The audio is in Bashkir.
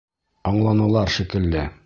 Аңланылар шикелле.